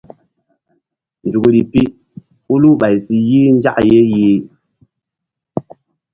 Nzukri pi hulu ɓay si yih nzak ye yih.